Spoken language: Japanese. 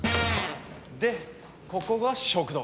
でここが食堂。